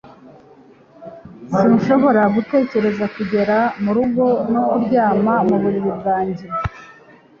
Sinshobora gutegereza kugera mu rugo no kuryama mu buriri bwanjye